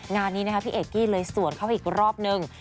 งานนี้นะคะพี่เอกกี้เลยสวนเขาอีกรอบนึง